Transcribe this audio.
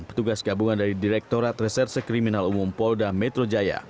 petugas gabungan dari direktorat reserse kriminal umum polda metro jaya